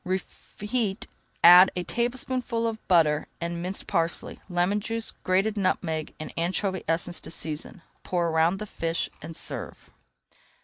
Reheat, add a tablespoonful of butter, and minced parsley, lemon juice, grated nutmeg, and anchovy essence to season. Pour around the fish and serve.